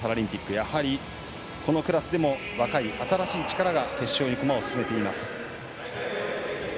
やはり、このクラスでも若い新しい力が決勝に駒を進めています。